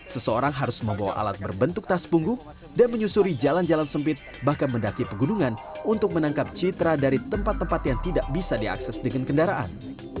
seseorang harus membawa alat berbentuk tas punggung dan menyusuri jalan jalan sempit bahkan mendaki pegunungan untuk menangkap citra dari tempat tempat yang tidak bisa diakses dengan kendaraan